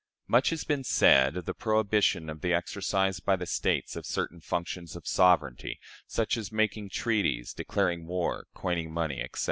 Much has been said of the "prohibition" of the exercise by the States of certain functions of sovereignty; such as, making treaties, declaring war, coining money, etc.